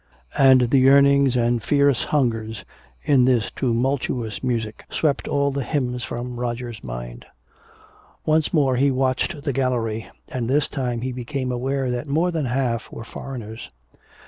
And the yearnings and fierce hungers in this tumultuous music swept all the hymns from Roger's mind. Once more he watched the gallery, and this time he became aware that more than half were foreigners.